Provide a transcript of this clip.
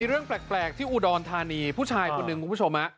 เรื่องแปลกที่อุดรธานีผู้ชายคนหนึ่งคุณผู้ชม